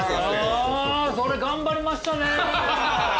あそれ頑張りましたね。